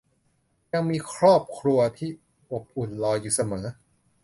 ยังมีครอบครัวที่อบอุ่นรออยู่เสมอ